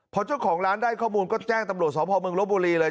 พอเจ้าของร้านได้ข้อมูลก็แจ้งตำรวจสพเมืองลบบุรีเลย